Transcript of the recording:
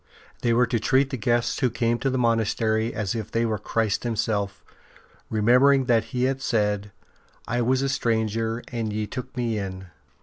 They were to treat the guests who came to the monastery as if they were Christ Himself, remembering that He had said, '' I was a stranger and ye took Me in.''